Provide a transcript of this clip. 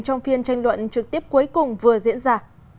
trong phiên tranh luận trực tiếp cuối cùng vừa diễn ra